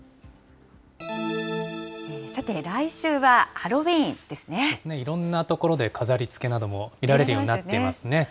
さて、来週はハロウィーンでいろんな所で飾りつけなども見られるようになっていますね。